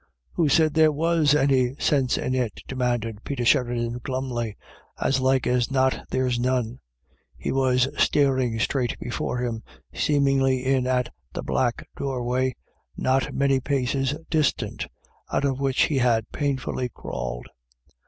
" Who said there was any sinse in it ?" de manded Peter Sheridan, glumly. u As like a£ not there's none." He was staring straight before him, seemingly in at the black doorway, not many paces distant, out of which he had painfully crawled.